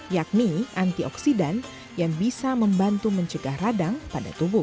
yakni antioksidan yang bisa membantu mencegah radang pada tubuh